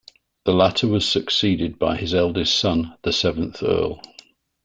The latter was succeeded by his eldest son, the seventh Earl.